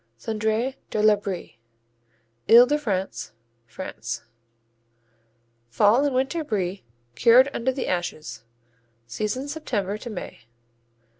Cendré de la Brie Ile de France, France Fall and winter Brie cured under the ashes, season September to May.